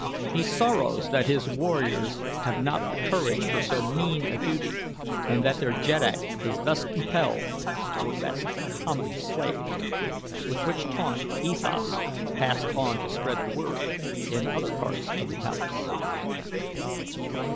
"He sorrows that his warriors have not the courage for so mean a duty and that their jeddak is thus compelled to arrest a common slave," with which taunt E Thas passed on to spread the word in other parts of the palace.